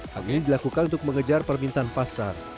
hal ini dilakukan untuk mengejar permintaan pasar